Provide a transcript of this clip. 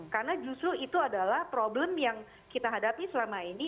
karena justru itu adalah problem yang kita hadapi selama ini